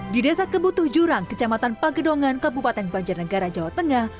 di desa kebutuh jurang kecamatan pagedongan kabupaten banjarnegara jawa tengah